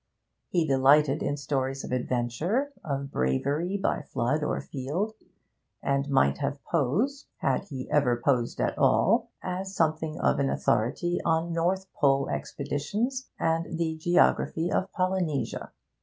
He delighted in stories of adventure, of bravery by flood or field, and might have posed had he ever posed at all as something of an authority on North Pole expeditions and the geography of Polynesia.